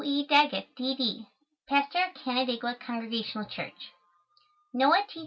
E. DAGGETT, D.D. Pastor of Canandaigua Congregational Church NOAH T.